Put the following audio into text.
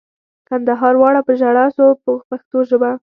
کندهار واړه په ژړا شو په پښتو ژبه.